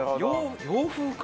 洋風か。